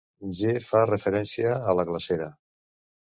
G fa referència a la glacera.